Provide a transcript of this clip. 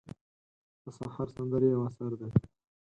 د سهار سندرې یو اثر دی.